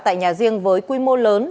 tại nhà riêng với quy mô lớn